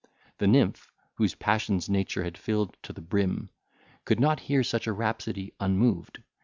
The nymph, whose passions nature had filled to the brim, could not hear such a rhapsody unmoved.